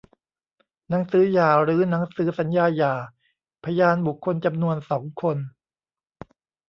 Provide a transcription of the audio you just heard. หนังสือหย่าหรือหนังสือสัญญาหย่า พยานบุคคลจำนวน สอง คน